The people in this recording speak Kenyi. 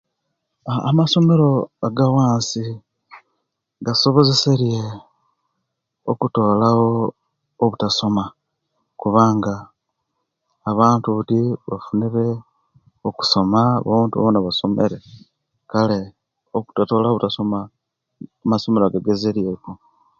Amasomero agwansi gasobozesiyere okutolawo obutasoma kubanga abantu bafunire okusoma abantu basomere kale okutatolawo okusoma amasomero ago gagezeriye ku